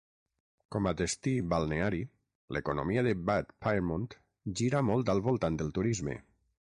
Com a destí balneari, l'economia de Bad Pyrmont gira molt al voltant del turisme.